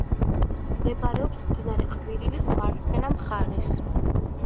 მდებარეობს მდინარე ყვირილის მარცხენა მხარეს.